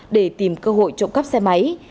để tìm cơ hội trộm cấp xe máy